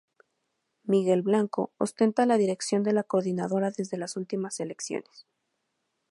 Miguel Blanco ostenta la dirección de la coordinadora desde las últimas elecciones.